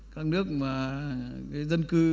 các nước mà dân cư